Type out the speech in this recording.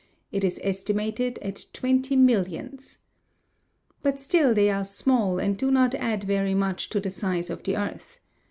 It is estimated at twenty millions. But still they are small and do not add very much to the size of the earth.